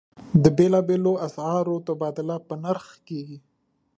د بېلابېلو اسعارو تبادله په نرخ کېږي.